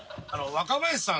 若林さん